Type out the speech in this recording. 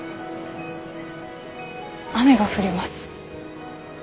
雨が降ります。